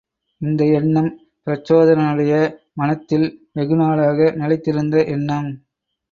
இந்த எண்ணம் பிரச்சோதனனுடைய மனத்தில் வெகுநாளாக நிலைத்திருந்த எண்ணம்.